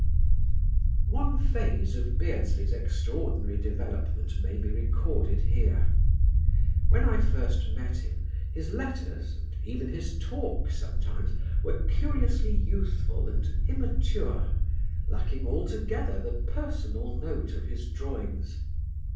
One phase of Beardsley's extraordinary development may be recorded here. When I first met him his letters, and even his talk sometimes, were curiously youthful and immature, lacking altogether the personal note of his drawings.